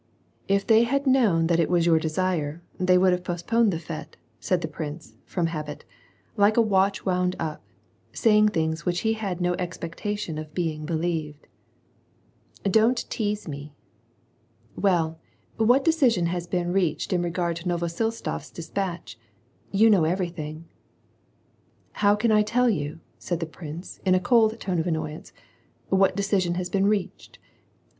" "If they had known that it was your desire, they would have postponed the fete" said the prince, from habit, like a watch wound up, saying things which he hsid no expectation of being believed. "Don't tease me! — Well, what decision has been reached in regard to Novosiltsof's despatch? You know everything." " How can I tell you," said the prince, in a cold tone of annoyance, "what decision has been reached?